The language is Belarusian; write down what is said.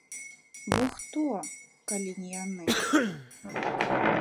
Бо хто, калі не яны?